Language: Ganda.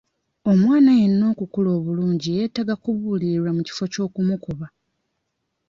Omwana yenna okukula obulungi yeetaaga okubuulirirwa mu kifo ky'okumukuba.